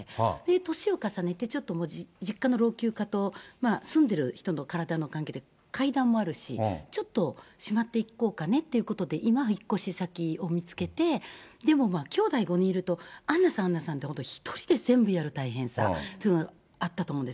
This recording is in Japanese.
年を重ねて、ちょっともう、実家の老朽化と、住んでいる人の体の関係で、階段もあるし、ちょっとしまっていこうかねっていうことで、今、引っ越し先を見つけて、でもまあ、きょうだい５人いると、アンナさんはアンナさんで、本当に１人で全部やる大変さ、あったと思うんです。